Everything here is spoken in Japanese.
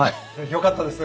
よかったです。